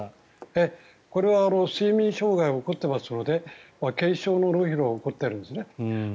これは睡眠障害が起こってますので軽症の脳疲労が起こっているんです。